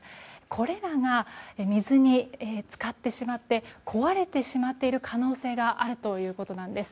これらが水に浸かってしまって壊れてしまっている可能性があるということです。